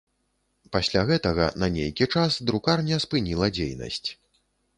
Пасля гэтага на нейкі час друкарня спыніла дзейнасць.